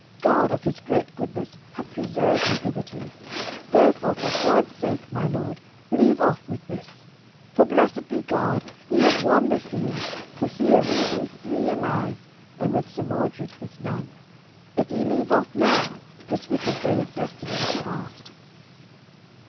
God of His great goodness hath preserved you hitherto. Therefore, for God's sake, my lord, leave off with this. For blessed be God, ye have won the field, for here we be three alive, and with Sir Mordred is none. If ye leave off now, this wicked day of destiny is past."